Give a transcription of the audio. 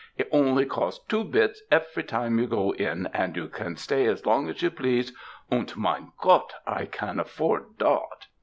It only costs two bits efery time you go in, unt you can shtay as long as you please, unt, mein Gott, I can afford dot."